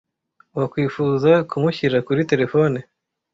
Wakwifuza kumushyira kuri terefone?